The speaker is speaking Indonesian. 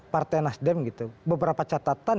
partai nasdem beberapa catatan